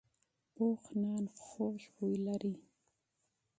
پوخ نان خوږ بوی لري